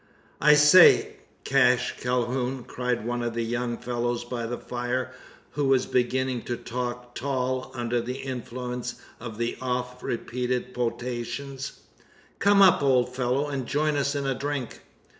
"I say, Cash Calhoun!" cried one of the young fellows by the fire, who was beginning to talk "tall," under the influence of the oft repeated potations "come up, old fellow, and join us in a drink!